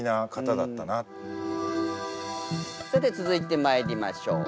さて続いてまいりましょう。